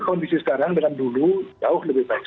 kondisi sekarang dengan dulu jauh lebih baik